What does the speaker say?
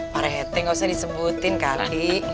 pak rt gak usah disebutin kak rati